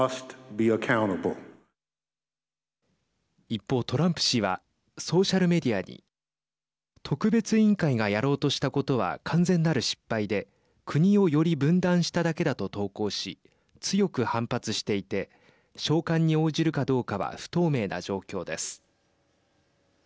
一方、トランプ氏はソーシャルメディアに特別委員会がやろうとしたことは完全なる失敗で国をより分断しただけだと投稿し強く反発していて召喚に応じるかどうかは不透明な状況です。